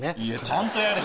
ちゃんとやれ！